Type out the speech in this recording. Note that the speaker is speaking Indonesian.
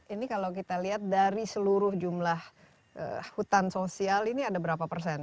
ini kalau kita lihat dari seluruh jumlah hutan sosial ini ada berapa persen